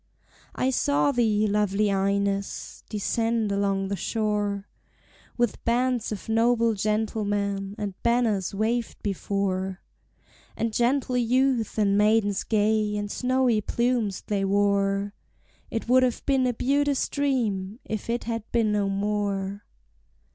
I saw thee, lovely Ines, descend along the shore, With bands of noble gentlemen, and banners waved before; And gentle youth and maidens gay, and snowy plumes they wore; It would have been a beauteous dream if it had been no more!